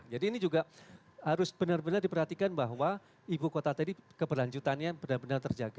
jadi ini juga harus benar benar diperhatikan bahwa ibu kota tadi keberlanjutannya benar benar terjaga